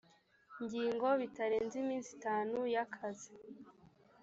ngingo bitarenze iminsi itanu y akazi